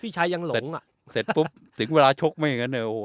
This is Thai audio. พี่ชายังหลงอ่ะเสร็จปุ๊บถึงเวลาชกไม่เหมือนกันอ่ะโอ้โห